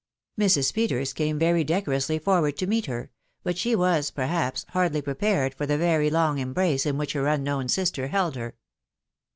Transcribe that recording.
Mrs. Peters came very decorously forward to meet her, but she was, perhaps, hardly prepared for the very long embrace in which her unknown sister held her.